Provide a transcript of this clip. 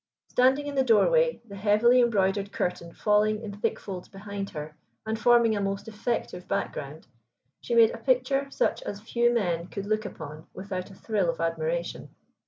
Standing in the doorway, the heavily embroidered curtain falling in thick folds behind her and forming a most effective background, she made a picture such as few men could look upon without a thrill of admiration.